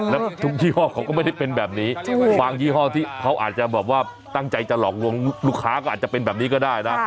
แล้วทุกยี่ห้อเขาก็ไม่ได้เป็นแบบนี้บางยี่ห้อที่เขาอาจจะแบบว่าตั้งใจจะหลอกลวงลูกค้าก็อาจจะเป็นแบบนี้ก็ได้นะ